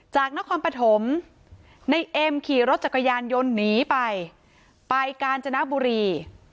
จากนครปฐมในเอ็มขี่รถจักรยานยนต์หนีไปไปกาญจนบุรี